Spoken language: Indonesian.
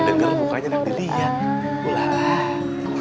denger mukanya enak dilihat